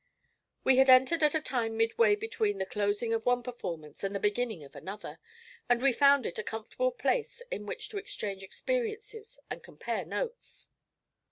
We had entered at a time midway between the closing of one performance and the beginning of another, and we found it a comfortable place in which to exchange experiences and compare notes.